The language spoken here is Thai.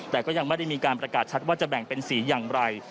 แต่ก็ยังไม่ได้มีการประกาศชัดว่าจะแบ่งเป็นสีอย่างไร